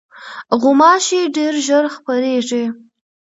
غوماشې ډېر ژر خپرېږي.